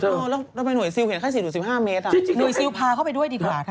แล้วทำไมหน่วยซิลเห็นแค่๔๑๕เมตรหน่วยซิลพาเข้าไปด้วยดีกว่าค่ะ